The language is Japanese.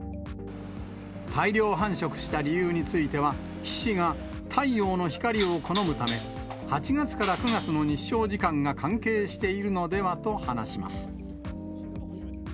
大量繁殖した理由については、ヒシが太陽の光を好むため、８月から９月の日照時間が関係しているのではと話します。